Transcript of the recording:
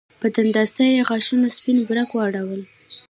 په دنداسه یې غاښونه سپین پړق واړول